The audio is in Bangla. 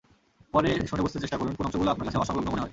পরে শুনে বুঝতে চেষ্টা করুন, কোন অংশগুলো আপনার কাছে অসংলগ্ন মনে হয়।